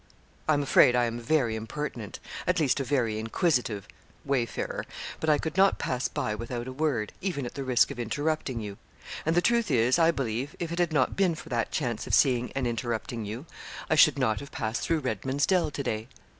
'I am afraid I am a very impertinent at least a very inquisitive wayfarer; but I could not pass by without a word, even at the risk of interrupting you. And the truth is, I believe, if it had not been for that chance of seeing and interrupting you, I should not have passed through Redman's Dell to day.'